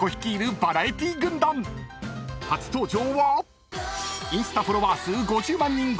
［初登場は］